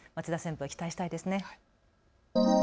期待したいですね。